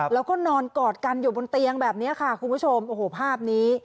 แล้วก็นอนกอดกันอยู่บนเตียงแบบนี้ค่ะคุณผู้ชมโอ้โหภาพนี้